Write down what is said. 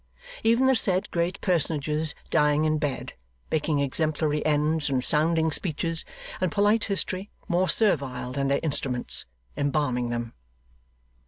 Even the said great personages dying in bed, making exemplary ends and sounding speeches; and polite history, more servile than their instruments, embalming them!